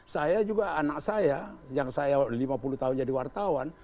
saya juga anak saya yang saya lima puluh tahun jadi wartawan